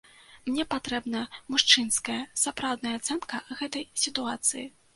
Мне патрэбная мужчынская, сапраўдная ацэнка гэтай сітуацыі.